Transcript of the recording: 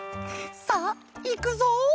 さあいくぞ」。